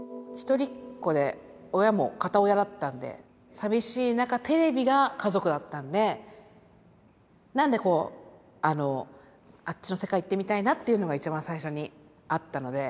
寂しい中テレビが家族だったんでなのでこうあっちの世界行ってみたいなっていうのが一番最初にあったので。